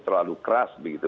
terlalu keras begitu